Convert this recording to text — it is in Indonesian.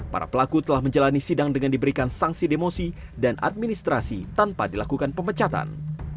para pelaku telah menjalani sidang dengan diberikan sanksi demosi dan administrasi tanpa dilakukan pemecatan